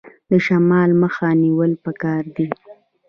د شمال مخه نیول پکار دي؟